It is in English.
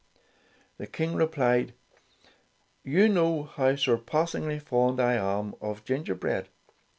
The King replied, "You know how sur passingly fond I am of gingerbread